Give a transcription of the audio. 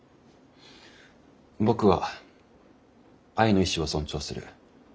僕は愛の意志を尊重する。